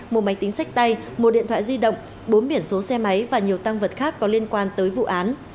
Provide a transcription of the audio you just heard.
một máy tính sách tay một điện thoại di động bốn biển số xe máy và nhiều tăng vật khác có liên quan tới vụ án